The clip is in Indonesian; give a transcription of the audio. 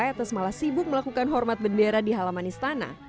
etes malah sibuk melakukan hormat bendera di halaman istana